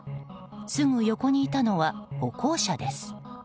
すぐ横にいたのは歩行者です。